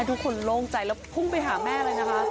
โห้หยุดคนลงใจแล้วพุ่งไปหาแม่เลยนะคะ